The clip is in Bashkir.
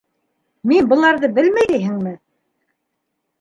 - Мин быларҙы белмәй тиһеңме?